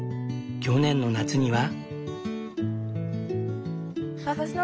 去年の夏には。